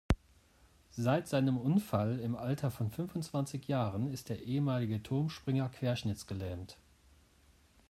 Seit seinem Unfall im Alter von fünfundzwanzig Jahren ist der ehemalige Turmspringer querschnittsgelähmt.